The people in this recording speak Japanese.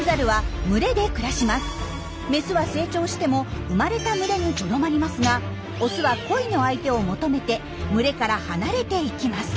メスは成長しても生まれた群れにとどまりますがオスは恋の相手を求めて群れから離れていきます。